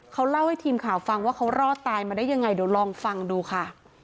เขาเล่าให้ทีมข่าวฟังว่าเขารอดตายมาได้ยังไงเดี๋ยวลองฟังดูค่ะ